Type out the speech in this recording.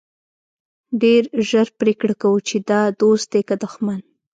ډېر ژر پرېکړه کوو چې دا دوست دی که دښمن.